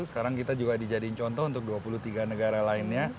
sekarang kita juga dijadiin contoh untuk dua puluh tiga negara lainnya